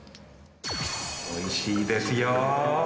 おいしいですよ。